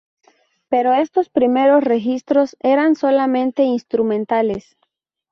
Pero estos primeros registros eran solamente instrumentales.